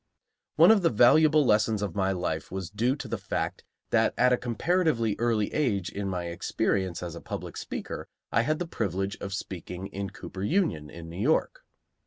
One of the valuable lessons of my life was due to the fact that at a comparatively early age in my experience as a public speaker I had the privilege of speaking in Cooper Union in New York.